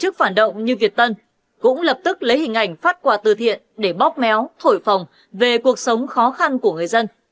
các phản động như việt tân cũng lập tức lấy hình ảnh phát quà từ thiện để bóp méo thổi phòng về cuộc sống khó khăn của người dân